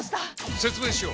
説明しよう！